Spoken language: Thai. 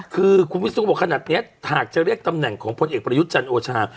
คือคุณวิศนุบอกขนาดนี้หากจะเรียกตำแหน่งของพลเอกประยุทธ์จันทร์โอชา